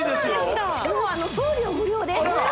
しかも送料無料ですあら！